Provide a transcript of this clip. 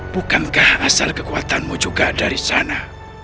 bukankah asal kekuatanmu juga dari sana